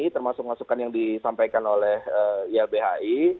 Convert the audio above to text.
termasuk masukan yang disampaikan oleh ilbhi